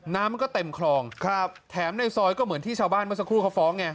น้ำมันก็เต็มคลองครับแถมในซอยก็เหมือนที่ชาวบ้านเมื่อสักครู่เขาฟ้องไง